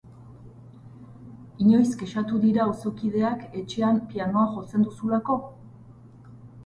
Inoiz kexatu dira auzokideak etxean pianoa jotzen duzulako?